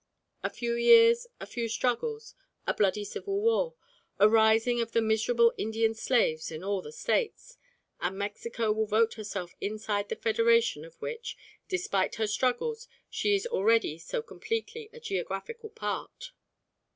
A few years, a few struggles, a bloody civil war, a rising of the miserable Indian slaves in all the States, and Mexico will vote herself inside the federation of which, despite her struggles, she is already so completely a geographical part.